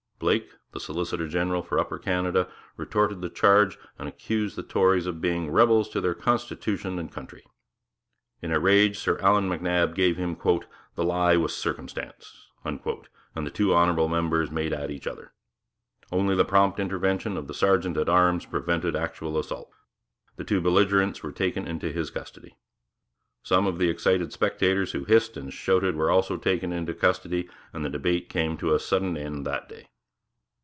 Blake, the solicitor general for Upper Canada, retorted the charge, and accused the Tories of being 'rebels to their constitution and country.' In a rage Sir Allan MacNab gave him 'the lie with circumstance,' and the two honourable members made at each other. Only the prompt intervention of the sergeant at arms prevented actual assault. The two belligerents were taken into his custody. Some of the excited spectators who hissed and shouted were also taken into custody; and the debate came to a sudden end that day.